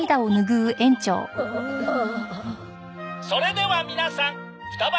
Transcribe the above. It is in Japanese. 「それではみなさんふたば